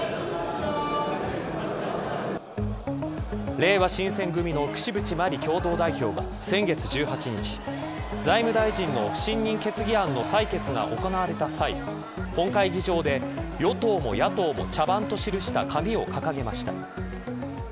れいわ新選組の櫛渕万里共同代表は先月１８日財務大臣の不信任決議案の採決が行われた際本会議場で与党も野党も茶番と記した紙を掲げました。